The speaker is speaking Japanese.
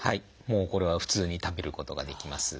もうこれは普通に食べることができます。